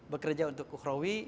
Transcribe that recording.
bekerja untuk ukrawi